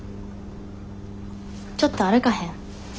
ちょっと歩かへん？